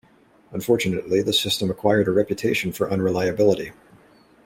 Unfortunately, the system acquired a reputation for unreliability.